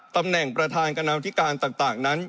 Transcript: ตำแหน่งประธานคณะธิการต่างนั้น